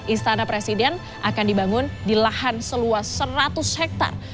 istana presiden akan dibangun di lahan seluas seratus hektare